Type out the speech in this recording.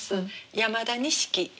山田錦。